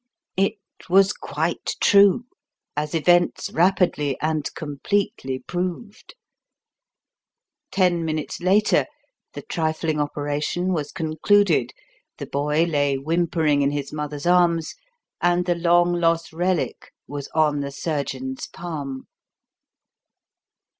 It was quite true as events rapidly and completely proved. Ten minutes later, the trifling operation was concluded; the boy lay whimpering in his mother's arms and the long lost relic was on the surgeon's palm.